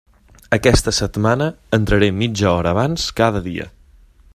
Aquesta setmana entraré mitja hora abans cada dia.